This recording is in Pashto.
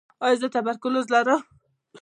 ایا زه تبرکلوز لرم؟